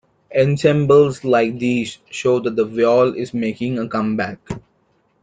Ensembles like these show that the viol is making a comeback.